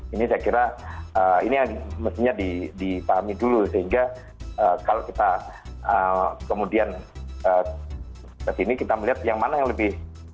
ini saya kira ini yang mestinya dipahami dulu sehingga kalau kita kemudian kesini kita melihat yang mana yang lebih